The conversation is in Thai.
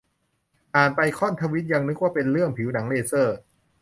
อ่านไปค่อนทวีตยังนึกว่าเป็นเรื่องผิวหนัง เลเซอร์